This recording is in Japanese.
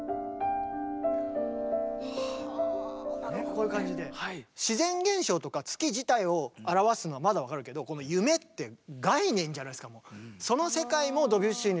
こういう感じで自然現象とか月自体を表すのはまだ分かるけどこの「夢」って概念じゃないですかもう。